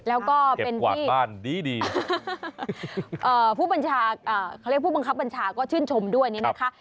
แล้วก็เป็นที่บ้านดีผู้บัญชาการเขาเรียกผู้บังคับบัญชาก็ชื่นชมด้วยนี่นะคะ